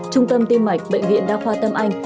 trung tâm tim mạch bệnh viện đa khoa tâm anh